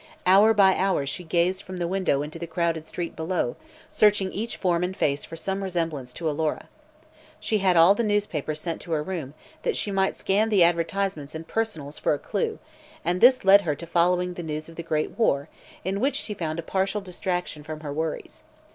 Hour by hour she gazed from the window into the crowded street below, searching each form and face for some resemblance to Alora. She had all the newspapers sent to her room, that she might scan the advertisements and "personals" for a clew, and this led her to following the news of the Great War, in which she found a partial distraction from her worries.